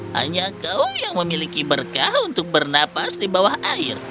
hanya kau yang memiliki berkah untuk bernapas di bawah air